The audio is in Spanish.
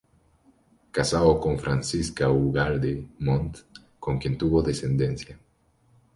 Casado con Francisca Ugalde Montt, con quien tuvo descendencia.